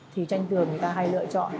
thì tranh tường người ta hay lựa chọn